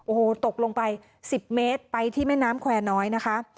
โอ้โหตกลงไป๑๐เมตรไปที่แม่น้ำแควร์น้อยนะคะ